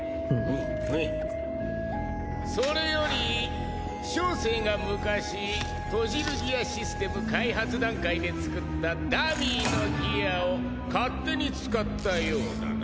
それより小生が昔トジルギアシステム開発段階で作ったダミーのギアを勝手に使ったようだな。